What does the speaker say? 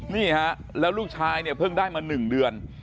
นี่ฮะแล้วลูกชายเนี่ยเพิ่งได้มา๑เดือน